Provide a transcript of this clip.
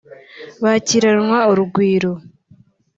bakiranwa urugwiro